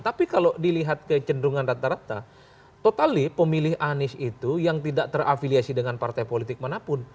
tapi kalau dilihat kecenderungan rata rata total pemilih anies itu yang tidak terafiliasi dengan partai politik manapun